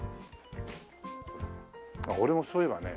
俺もそういえばね